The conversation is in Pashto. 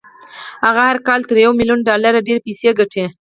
هغه هر کال تر يوه ميليون ډالر ډېرې پيسې ګټي.